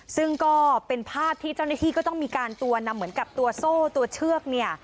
ซึ่งก็เป็นภาพที่เจ้าหน้าที่ก็ต้องมีการตัวนำเหมือนกับตัวโซ่ตัวเชือกเนี่ย